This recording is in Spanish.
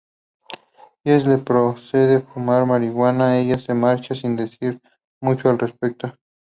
Jesse le propone fumar marihuana, ella se marcha sin decir mucho al respecto.